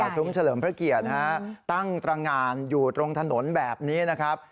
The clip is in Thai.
ซุ้มเฉลิมพระเกียรติตั้งตรงานอยู่ตรงถนนแบบนี้นะครับ